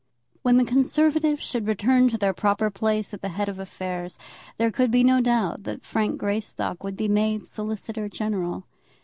When the Conservatives should return to their proper place at the head of affairs, there could be no doubt that Frank Greystock would be made Solicitor General.